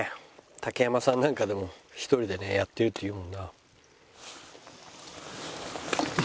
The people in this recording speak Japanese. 竹山さんなんかでも一人でねやってるって言うもんな。